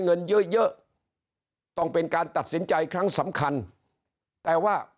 เงินเยอะเยอะต้องเป็นการตัดสินใจครั้งสำคัญแต่ว่า